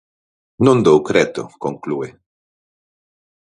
Non dou creto, conclúe.